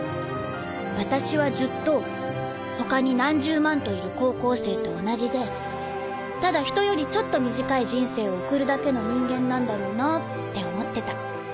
私はずっと他に何十万といる高校生と同じでただひとよりちょっと短い人生を送るだけの人間なんだろうなって思ってた。